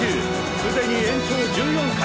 既に延長１４回！